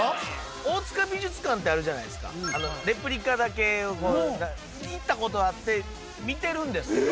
大塚美術館ってあるじゃないすかレプリカだけ行ったことあって見てるんですけどえ